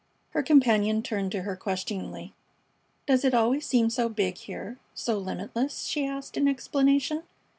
Her companion turned to her questioningly: "Does it always seem so big here so limitless?" she asked in explanation.